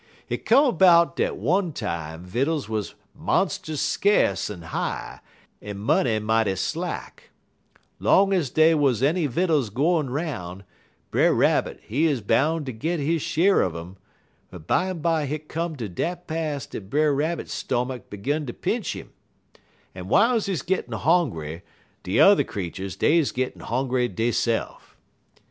Hit come 'bout dat one time vittles wuz monst'us skace en high, en money mighty slack. Long ez dey wuz any vittles gwine 'roun', Brer Rabbit, he 'uz boun' ter git he sheer un um, but bimeby hit come ter dat pass dat Brer Rabbit stomach 'gun ter pinch 'im; en w'iles he gettin' hongry de yuther creeturs, dey 'uz gettin' hongry deyse'f.